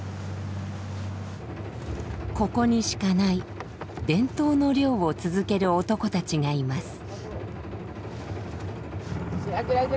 ここにしかない伝統の漁を続ける男たちがいます。